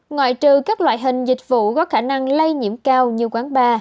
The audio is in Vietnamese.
ngoại trừ các loại hình dịch vụ có khả năng lây nhiễm cao như quán bar